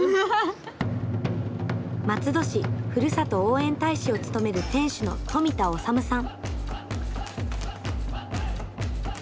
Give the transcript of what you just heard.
松戸市ふるさと応援大使を務める店主の富田治さん。